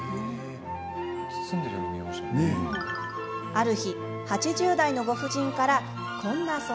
ある日８０代のご婦人からこんな相談が。